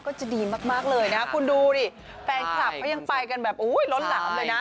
ก็จะดีมากเลยนะคุณดูดิแฟนคลับเขายังไปกันแบบโอ้ยล้นหลามเลยนะ